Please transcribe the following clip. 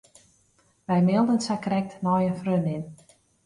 Wy mailden sakrekt nei in freondin.